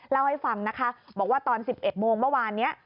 เล่าให้ฟังนะคะบอกว่าตอน๑๑โมงเมื่อวานนี้